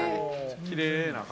きれいな形。